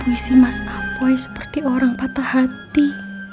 isi mas apoy seperti orang patah hati